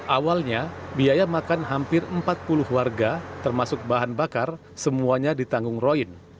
awalnya biaya makan hampir empat puluh warga termasuk bahan bakar semuanya ditanggung roin